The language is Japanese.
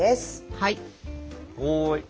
はい。